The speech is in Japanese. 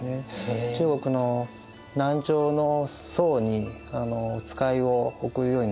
中国の南朝の宋に使いを送るようになった。